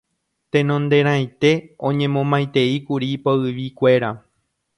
Tenonderãite oñemomaiteíkuri poyvikuéra.